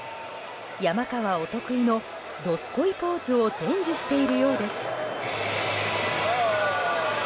山川お得意のどすこいポーズを伝授しているようです。